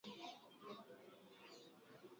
Kesho busubuyi mitenda kukata nkuni